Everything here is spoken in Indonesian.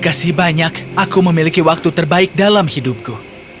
terima kasih banyak aku memiliki waktu terbaik dalam hidupku